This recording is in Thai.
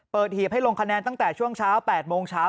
หีบให้ลงคะแนนตั้งแต่ช่วงเช้า๘โมงเช้า